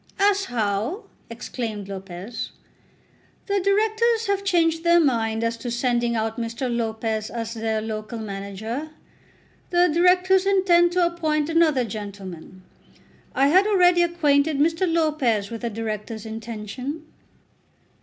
"As how?" exclaimed Lopez. "The Directors have changed their mind as to sending out Mr. Lopez as their local manager. The Directors intend to appoint another gentleman. I had already acquainted Mr. Lopez with the Directors' intention."